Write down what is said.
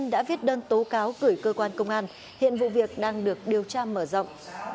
đã viết đơn tố cáo gửi cơ quan công an hiện vụ việc đang được điều tra mở rộng